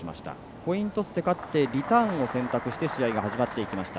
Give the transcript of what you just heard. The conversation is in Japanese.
コイントスで勝ってリターンを選択して試合が始まっていきました。